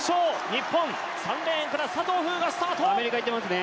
日本３レーンから佐藤風雅スタート。